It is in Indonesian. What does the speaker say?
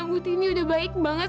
butini udah baik banget